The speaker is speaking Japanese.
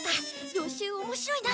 予習おもしろいな。